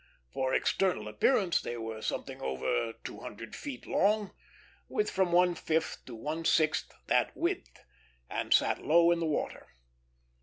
For external appearance, they were something over two hundred feet long, with from one fifth to one sixth that width, and sat low in the water.